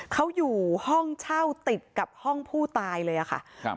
เขาอยู่ห้องเช่าติดกับห้องผู้ตายเลยค่ะครับ